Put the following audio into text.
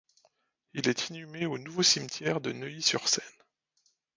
Il est inhumé au nouveau cimetière de Neuilly-sur-Seine.